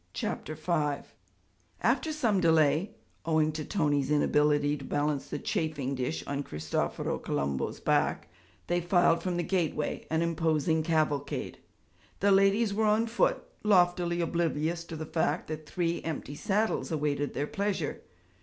CHAPTER V After some delay owing to Tony's inability to balance the chafing dish on Cristoforo Colombo's back they filed from the gateway, an imposing cavalcade. The ladies were on foot, loftily oblivious to the fact that three empty saddles awaited their pleasure.